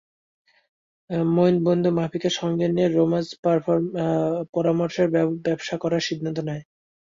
মঈন বন্ধু মাফিকে সঙ্গে নিয়ে রোমান্স পরামর্শের ব্যবসা করার সিদ্ধান্ত নেয়।